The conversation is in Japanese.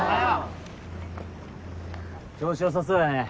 調子よさそうやね。